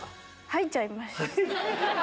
入っちゃいました。